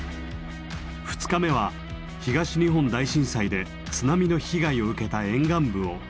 ２日目は東日本大震災で津波の被害を受けた沿岸部を南へ。